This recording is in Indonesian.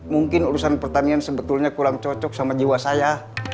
mungkin urusan pertanian sebetulnya kurang cocok sama jiwa saya